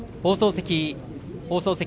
放送席。